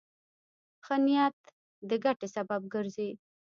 ښه نیت د ګټې سبب ګرځي.